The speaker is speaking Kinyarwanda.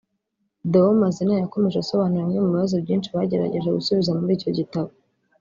Déo Mazina yakomeje asobanura bimwe mu bibazo byinshi bagerageje gusubiza muri icyo gitabo